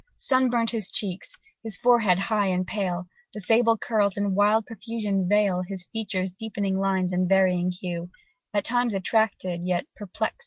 "Sun burnt his cheek, his forehead high and pale The sable curls in wild profusion veil.... His features' deepening lines and varying hue At times attracted, yet perplex'd the view."